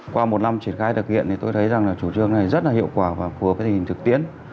qua một năm triển khai thực hiện thì tôi thấy rằng là chủ trương này rất là hiệu quả và phù hợp với tình hình thực tiễn